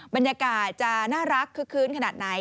บรรยากาศจะน่ารักคึกคืนขนาดไหน